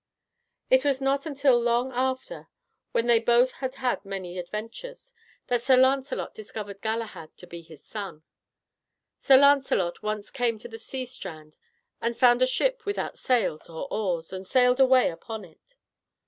It was not until long after, and when they both had had many adventures, that Sir Lancelot discovered Galahad to be his son. Sir Lancelot once came to the sea strand and found a ship without sails or oars, and sailed away upon it.